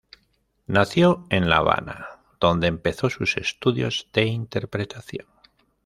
Nació en La Habana, donde empezó sus estudios de interpretación.